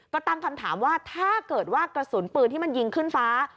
ก็ตั้งคำถามว่าถ้าเกิดว่ากระสุนปืนที่มันยิงขึ้นฟ้า